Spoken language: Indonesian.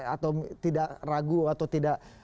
atau tidak ragu atau tidak